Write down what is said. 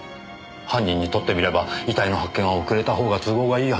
犯人にとってみれば遺体の発見は遅れた方が都合がいいはずですよね。